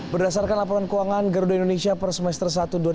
berdasarkan laporan keuangan garuda indonesia per semester satu dua ribu dua puluh